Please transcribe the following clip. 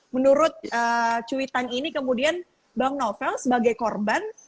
menurut cuitan ini kemudian bang novel sebagai korban